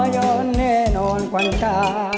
ย่อนแน่นอนกวันชา